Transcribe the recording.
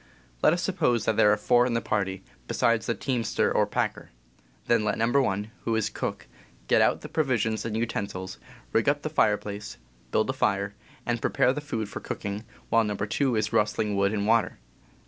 Let _ us suppose that there are four in the party, besides the teamster or packer. Then let No. 1, who is cook, get out the provisions and utensils, rig up the fireplace, build a fire, and prepare the food for cooking, while No. 2 is rustling wood and water.